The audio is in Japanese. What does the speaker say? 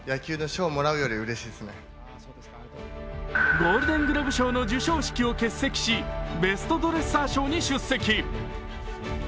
ゴールデングラブ賞の授賞式を欠席しベストドレッサー賞に出席。